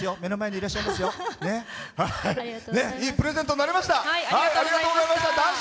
いいプレゼントになりました。